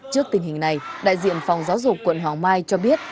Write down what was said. trước tình hình này đại diện phòng giáo dục quận hoàng mai cho biết